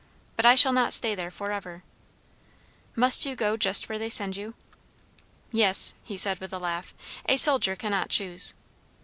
But I shall not stay there for ever." "Must you go just where they send you?" "Yes," he said with a laugh. "A soldier cannot choose."